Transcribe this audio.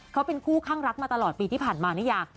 เขาเป็นคู่ข้างรักมาตลอดปีที่ผ่านมานิยา